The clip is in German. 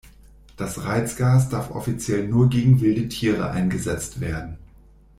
Das Reizgas darf offiziell nur gegen wilde Tiere eingesetzt werden.